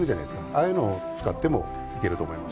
ああいうのを使ってもいけると思います。